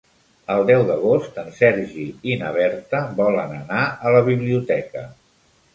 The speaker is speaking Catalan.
El deu d'agost en Sergi i na Berta volen anar a la biblioteca.